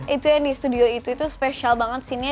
itu yang di studio itu itu special banget scenenya